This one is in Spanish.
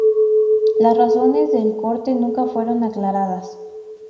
Las razones del corte nunca fueron aclaradas.